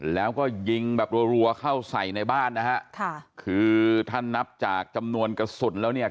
แล้วก็ยิงแบบรัวเข้าใส่ในบ้านนะฮะค่ะคือถ้านับจากจำนวนกระสุนแล้วเนี่ย